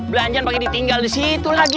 belanjaan pagi ditinggal di situ lagi